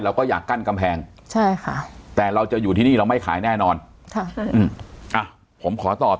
เราก็อยากกั้นกำแพงใช่ค่ะแต่เราจะอยู่ที่นี่เราไม่ขายแน่นอนค่ะอืมอ่ะผมขอตอบ